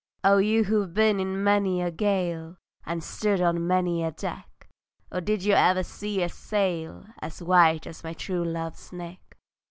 And you who've been in many a gale, And stood on many a deck; Oh did you ever see a sail As white as my true love's neck?